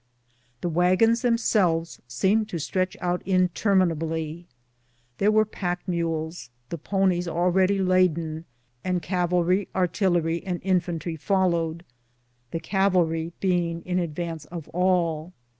The wagons themselves seemed to stretch out interminably. There were pack 263 BOOTS AND SADDLES. mules, the ponies already laden, and cavalry, artillery, and infantry followed, the cavalry being in advance of all.